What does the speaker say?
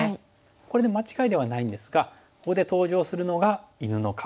これで間違いではないんですがここで登場するのが犬の顔。